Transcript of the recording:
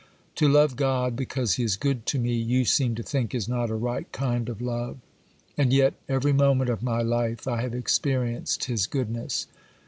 To love God because He is good to me you seem to think is not a right kind of love; and yet every moment of my life I have experienced His goodness.